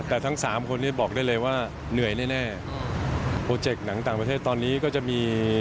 แต่ทั้งสามคนนี้บอกได้เลยว่าเหนื่อยแน่แน่โปรเจกต์หนังต่างประเทศตอนนี้ก็จะมี